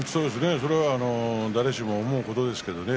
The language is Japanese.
それは誰しも思うことですけどね。